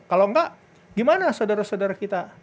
kalau tidak bagaimana saudara saudara kita